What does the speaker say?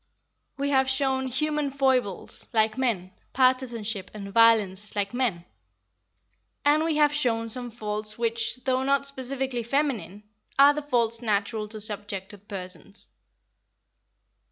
We have shown human foibles, like men, partisanship and violence, like men, and we have shown some faults which, though not specifically feminine, are the faults natural to subjected persons.